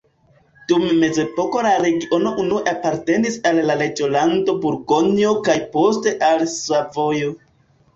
Dum mezepoko la regiono unue apartenis al la reĝolando Burgonjo kaj poste al Savojo.